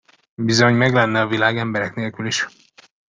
Bizony, meglenne a világ emberek nélkül is!